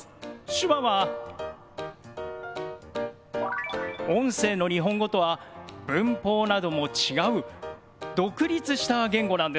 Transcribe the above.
手話は音声の日本語とは文法なども違う独立した言語なんです。